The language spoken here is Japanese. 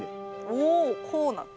おおこうなんだ。